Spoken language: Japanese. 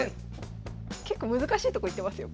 結構難しいとこいってますよ